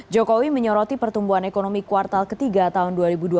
jokowi menyoroti pertumbuhan ekonomi kuartal ketiga tahun dua ribu dua puluh